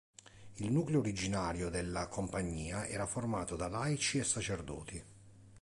Il nucleo originario della Compagnia era formato da laici e sacerdoti.